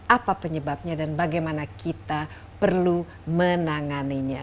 apa penyebabnya dan bagaimana kita perlu menanganinya